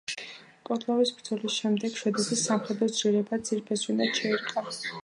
პოლტავის ბრძოლის შედეგად შვედეთის სამხედრო ძლიერება ძირფესვიანად შეირყა.